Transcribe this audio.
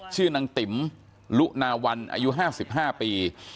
ชื่อนางติ๋มลุนาวันอายุ๕๕ปี